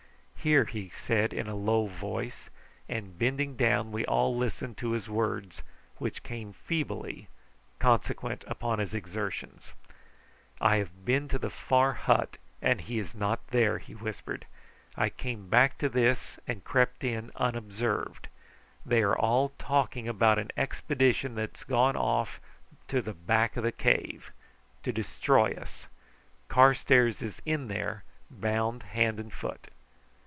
"Here!" he said in a low voice; and bending down we all listened to his words, which came feebly, consequent upon his exertions. "I have been to the far hut and he is not there!" he whispered. "I came back to this and crept in unobserved. They are all talking about an expedition that has gone off to the back of the cave to destroy us. Carstairs is in there, bound hand and foot."